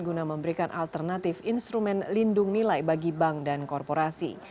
guna memberikan alternatif instrumen lindung nilai bagi bank dan korporasi